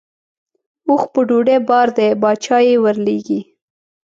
اوښ په ډوډۍ بار دی باچا یې ورلېږي.